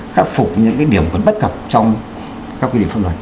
khắc phục những cái điểm vẫn bất cập trong các quy định pháp luật